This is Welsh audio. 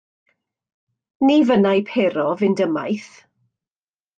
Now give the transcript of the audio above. Ni fynnai Pero fynd ymaith.